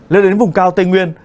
lên đến vùng cao tây nguyên